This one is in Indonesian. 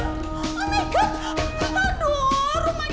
rumahnya poppy berasa akan begini poppy